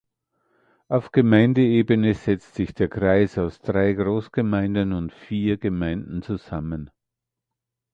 Auf Gemeindeebene setzt sich der Kreis aus drei Großgemeinden und vier Gemeinden zusammen.